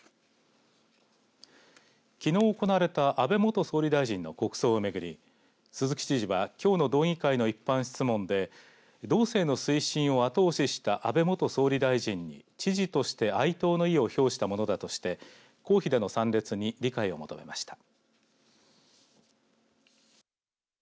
きのう行われた安倍元総理大臣の国葬を巡り鈴木知事はきょうの道議会の一般質問で道政の推進を後押しした安倍元総理大臣に知事として哀悼の意を表したものだとして公費での参列に理解を求めました。